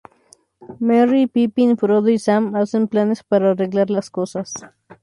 Merry, Pippin, Frodo y Sam hacen planes para arreglar las cosas.